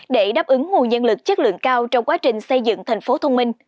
để đáp ứng nguồn nhân lực chất lượng cao trong quá trình xây dựng thành phố thông minh